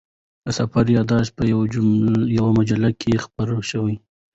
د سفر یادښتونه په یوه مجله کې خپاره شول.